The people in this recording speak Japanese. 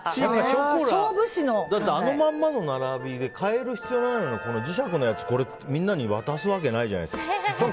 あのまんまの並びで変える必要ないのに磁石のやつ、みんなに渡すわけないじゃないですか。